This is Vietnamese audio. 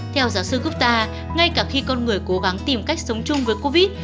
theo giáo sư gota ngay cả khi con người cố gắng tìm cách sống chung với covid